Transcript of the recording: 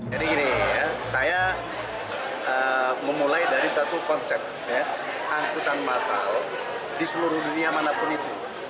jadi gini ya saya memulai dari satu konsep ya angkutan masal di seluruh dunia manapun itu